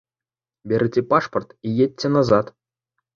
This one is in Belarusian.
Бярыце пашпарт і едзьце назад.